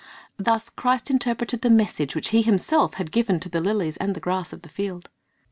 ^ Thus Christ interpreted the message which He Himself had given to the lilies and the grass of the field.